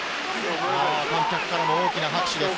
観客からも大きな拍手です。